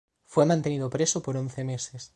Fue mantenido preso por once meses.